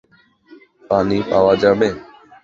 পানি পাওয়া যাবে?